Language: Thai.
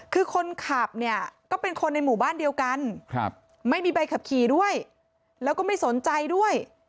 คือคนขับเนี่ยก็เป็นคนในหมู่บ้านเดียวกันไม่มีใบขับขี่ด้วยแล้วก็ไม่สนใจด้วย